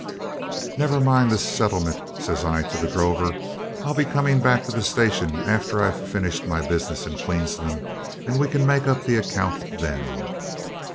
'Never mind the settlement,' says I to the drover. 'I'll be coming back to the station after I've finished my business in Queensland, and we can make up the account then.'